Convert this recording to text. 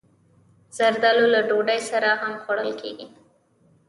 زردالو له ډوډۍ سره هم خوړل کېږي.